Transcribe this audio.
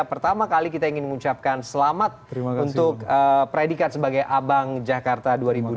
pertama kali kita ingin mengucapkan selamat untuk predikat sebagai abang jakarta dua ribu dua puluh